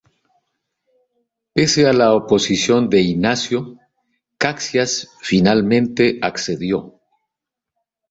Pese a la oposición de Inácio, Caxias finalmente accedió.